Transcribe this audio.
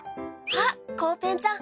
コウペンちゃん